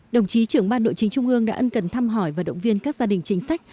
đồng chí trưởng ban nội chính trung ương đã ân cần thăm hỏi và động viên các gia đình chính sách